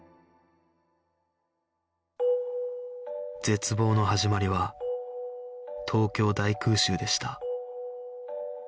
絶望の始まりは東京大空襲でした